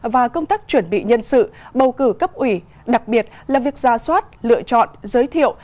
và công tác chuẩn bị nhân sự bầu cử cấp ủy đặc biệt là việc ra soát lựa chọn giới thiệu